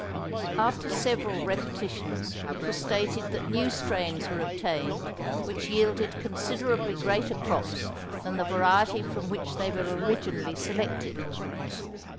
After several repetitions it was stated that new strains were obtained which yielded considerably greater crops than the variety from which they were originally selected.